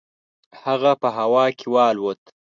هغه په هوا کې والوت.